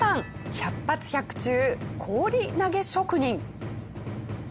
百発百中氷投げ職人。